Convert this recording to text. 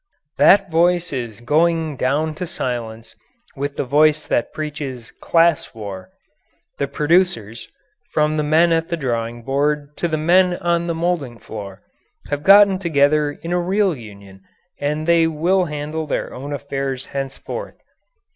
That voice is going down to silence with the voice that preaches "class war." The producers from the men at the drawing board to the men on the moulding floor have gotten together in a real union, and they will handle their own affairs henceforth.